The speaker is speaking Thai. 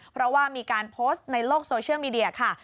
เพราะว่ามีการโพสต์ในโลกโซเชียลมีเดียค่ะ